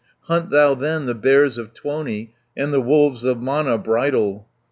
Hunt thou then the Bears of Tuoni, And the Wolves of Mana bridle."